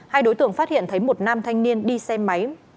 hai đối tượng phát hiện thấy một nam thanh niên đi xe máy